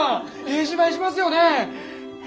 ええ芝居しますよね！